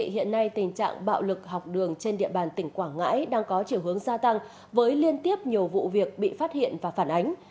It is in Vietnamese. hiện nay tình trạng bạo lực học đường trên địa bàn tỉnh quảng ngãi đang có chiều hướng gia tăng với liên tiếp nhiều vụ việc bị phát hiện và phản ánh